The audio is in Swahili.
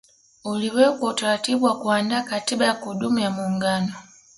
Uliwekwa utaratibu wa kuandaa katiba ya kudumu ya muungano